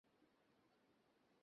আপনি কি আমাকে বলতে চান?